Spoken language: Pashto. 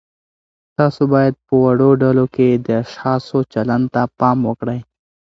تاسو باید په وړو ډلو کې د اشخاصو چلند ته پام وکړئ.